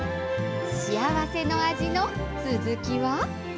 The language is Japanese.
幸せの味の続きは。